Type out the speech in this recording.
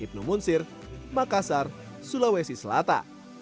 ibnu munsir makassar sulawesi selatan